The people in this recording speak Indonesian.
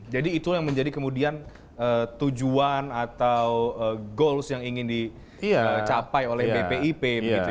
jadi itu yang menjadi kemudian tujuan atau goals yang ingin dicapai oleh bpip gitu ya